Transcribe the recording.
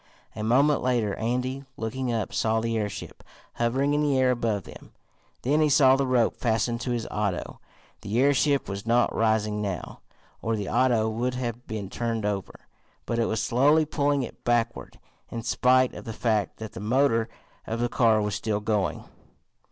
A moment later Andy, looking up, saw the airship hovering in the air above him. Then he saw the rope fast to his auto. The airship was not rising now, or the auto would have been turned over, but it was slowly pulling it backward, in spite of the fact that the motor of the car was still going.